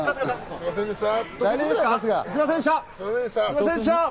すみませんでした。